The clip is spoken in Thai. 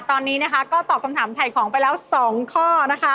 ตอนนี้นะคะก็ตอบคำถามถ่ายของไปแล้ว๒ข้อนะคะ